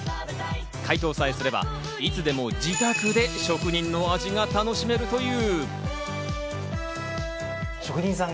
解凍さえすればいつでも自宅で職人の味が楽しめるという。